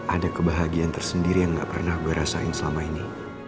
ada kebahagiaan tersendiri yang gak pernah gue rasain selama ini